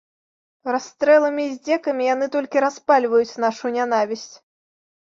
Расстрэламі і здзекамі яны толькі распальваюць нашу нянавісць.